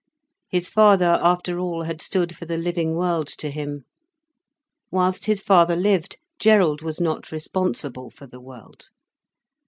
His father after all had stood for the living world to him. Whilst his father lived Gerald was not responsible for the world.